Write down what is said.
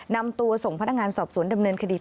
นำตัวส่งพนักงานสอบสวนดำเนินคดี